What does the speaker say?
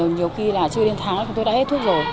nhiều khi là chưa đến tháng chúng tôi đã hết thuốc rồi